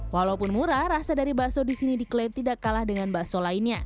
walaupun murah rasa dari bakso di sini diklaim tidak kalah dengan bakso lainnya